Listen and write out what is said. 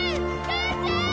母ちゃーん！